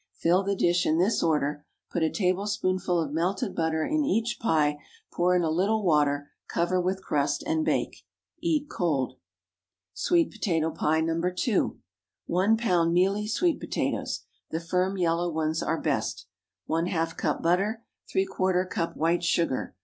Fill the dish in this order; put a tablespoonful of melted butter in each pie; pour in a little water; cover with crust, and bake. Eat cold. SWEET POTATO PIE (No. 2.) ✠ 1 lb. mealy sweet potatoes. The firm yellow ones are best. ½ cup butter. ¾ cup white sugar.